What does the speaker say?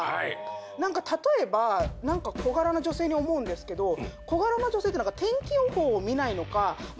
何か例えば小柄な女性に思うんですけど小柄な女性って天気予報を見ないのか。